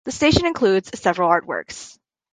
The station includes several artworks.